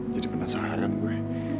jadi penasaran gue